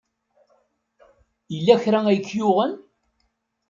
Yella kra ay k-yuɣen?